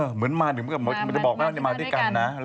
เหมือนมาด้วยกันมันจะบอกว่ามาด้วยกันนะ